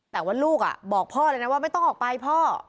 แต่ว่าลูกบอกพ่อเลยนะว่าไม่ต้องออกไปพ่อ